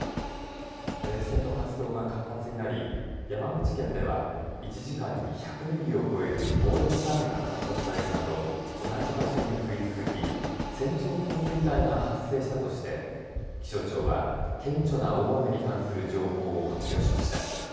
前線の活動が活発になり山口県では１時間に１００ミリを超える猛烈な雨が観測されるなど同じ場所に降り続き線状降水帯が発生したとして気象庁は顕著な大雨に関する情報を発表しました。